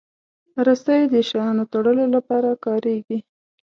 رسۍ د شیانو تړلو لپاره کارېږي.